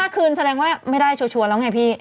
คืนแสดงว่าไม่ได้ชัวร์แล้วไงพี่